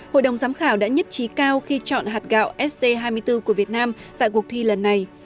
hội đồng giám khảo đã nhất trí cao khi chọn hạt gạo st hai mươi bốn của việt nam tại cuộc thi lần này